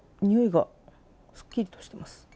においはすっきりとしています。